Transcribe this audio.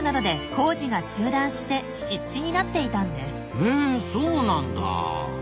へえそうなんだ。